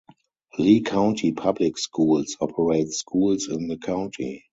Lee County Public Schools operates schools in the county.